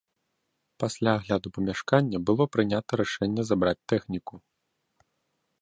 Пасля агляду памяшкання было прынята рашэнне забраць тэхніку.